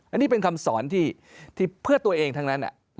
อันนี้เป็นคำสอนที่เพื่อตัวเองทั้งนั้น